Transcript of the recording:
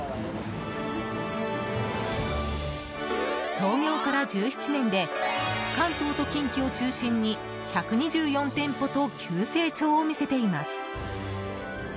創業から１７年で関東と近畿を中心に１２４店舗と急成長を見せています。